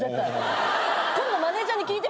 今度マネジャーに聞いてみなよ。